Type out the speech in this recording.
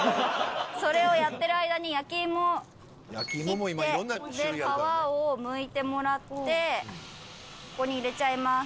それをやってる間に焼き芋を切ってで皮をむいてもらってここに入れちゃいます。